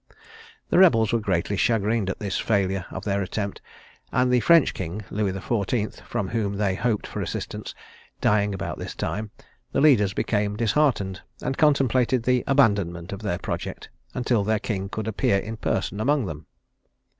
The rebels were greatly chagrined at this failure of their attempt; and the French king, Louis XIV., from whom they hoped for assistance, dying about this time, the leaders became disheartened, and contemplated the abandonment of their project, until their king could appear in person among them.